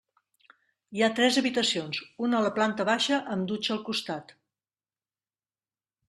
Hi ha tres habitacions, una a la planta baixa amb dutxa al costat.